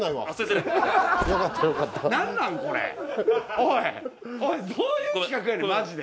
おいどういう企画やねんマジで。